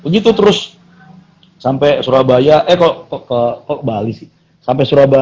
gitu terus sampe surabaya eh kok ke bali sih